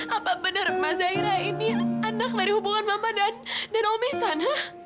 apa bener emak zaira ini anak dari hubungan mama dan om isan